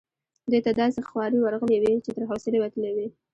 دوی ته داسي خوارې ورغلي وې چې تر حوصلې وتلې وي.